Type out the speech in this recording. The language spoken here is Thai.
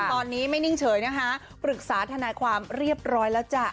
ตอนนี้ไม่นิ่งเฉยนะคะปรึกษาทนายความเรียบร้อยแล้วจ้ะ